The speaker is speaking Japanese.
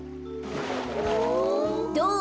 どう？